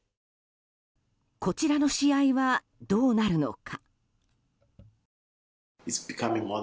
こちらの試合はどうなるのか。